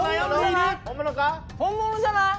本物じゃない？